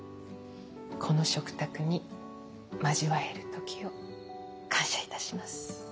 この食卓に交わえる時を感謝いたします。